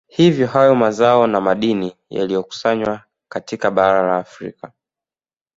Hivyo hayo mazao na madini yaliyokusanywa katika bara la Afrika